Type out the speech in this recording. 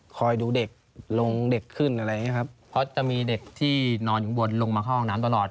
คอยดูเด็กลงเด็กขึ้นอะไรอย่างเงี้ครับเพราะจะมีเด็กที่นอนอยู่บนลงมาเข้าห้องน้ำตลอด